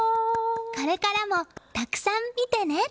これからもたくさん見てね。